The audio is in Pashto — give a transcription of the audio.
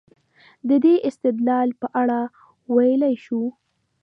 د دې استدلال په اړه ویلای شو.